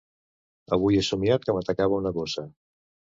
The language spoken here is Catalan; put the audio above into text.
Avui he somiat que m'atacava una gossa.